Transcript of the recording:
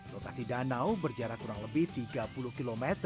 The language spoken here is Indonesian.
lokasi danau berjarak kurang lebih tiga puluh km